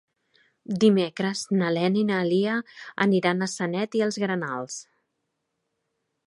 Dimecres na Lena i na Lia aniran a Sanet i els Negrals.